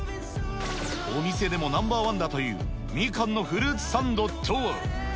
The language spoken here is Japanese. お店でもナンバーワンだというみかんのフルーツサンドとは。